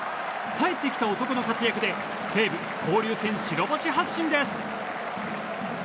帰ってきた男の活躍で西武、交流戦、白星発進です。